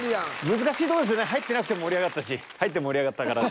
難しいとこですよね入ってなくても盛り上がったし入っても盛り上がったかなって。